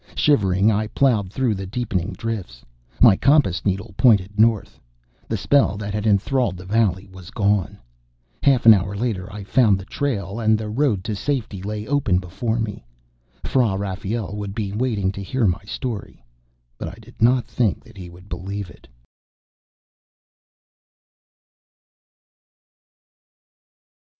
Shivering, I ploughed through the deepening drifts. My compass needle pointed north. The spell that had enthralled the valley was gone. Half an hour later I found the trail, and the road to safety lay open before me. Fra Rafael would be waiting to hear my story. But I did not think that he would believe it....